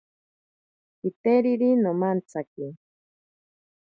Kiteriri nomantsaki.